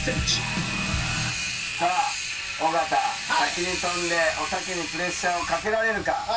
さあ尾形先に跳んでおたけにプレッシャーをかけられるか？